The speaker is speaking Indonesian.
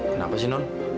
kenapa sih nol